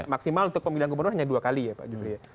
maksimal untuk pemilihan kebenaran hanya dua kali ya pak jubri